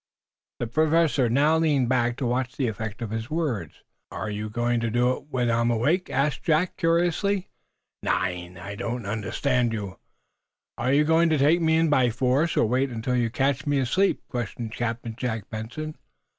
The Professor now leaned back to watch the effect of his words. "Are you going to do it when I'm awake?" asked Jack, curiously. "Nein! I do not understand you." "Are you going to take me in by force, or wait until you catch me asleep?" questioned Captain Jack Benson.